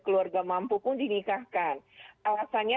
keluarga mampu pun dinikahkan alasannya